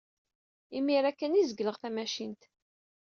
Imir-a kan ay zegleɣ tamacint.